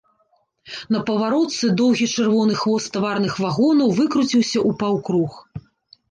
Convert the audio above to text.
На паваротцы доўгі чырвоны хвост таварных вагонаў выкруціўся ў паўкруг.